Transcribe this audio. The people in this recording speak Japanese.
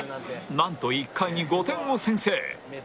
なんと１回に５点を先制